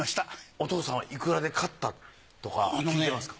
お父さんはいくらで買ったとか聞いてますか？